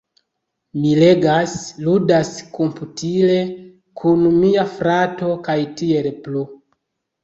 mi legas, ludas komputile kun mia frato, kaj tiel plu.